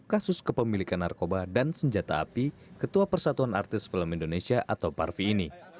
kasus kepemilikan narkoba dan senjata api ketua persatuan artis film indonesia atau parvi ini